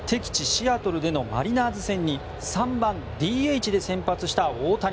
シアトルでのマリナーズ戦に３番ＤＨで先発した大谷。